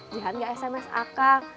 jihante gak sms akan